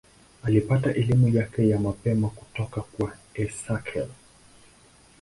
Alipata elimu yake ya mapema kutoka kwa Esakhel.